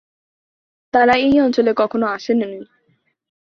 তারা এই অঞ্চলে কখনও আসেনওনি।